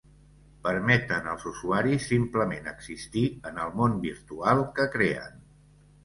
Permeten als usuaris simplement existir en el món virtual que creen.